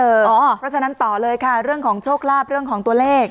เพราะฉะนั้นต่อเลยค่ะเรื่องของโชคลาภเรื่องของตัวเลข